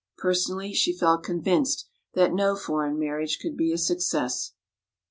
Personally, she felt convinced that no foreign marriage could be a success.